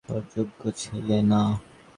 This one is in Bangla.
তা ছাড়া আপনার ছেলেও তো অযোগ্য ছেলে না।